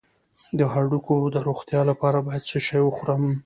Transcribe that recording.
د هډوکو د روغتیا لپاره باید څه شی وخورم؟